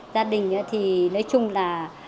gia đình thì nói chung là